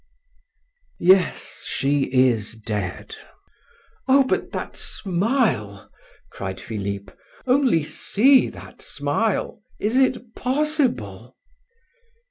"Yes, she is dead." "Oh, but that smile!" cried Philip; "only see that smile. Is it possible?"